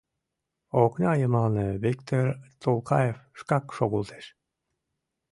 Окна йымалне Виктыр Тулкаев шкак шогылтеш.